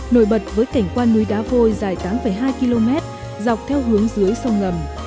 nổi bật với cảnh quan núi đá vôi dài tám hai km dọc theo hướng dưới sông ngầm